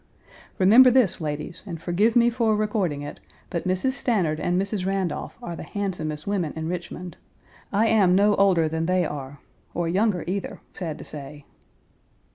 Remember this, ladies, and forgive me for recording it, but Mrs. Stanard and Mrs. Randolph are the handsomest women in Richmond; I am no older than they are, or younger, either, sad to say.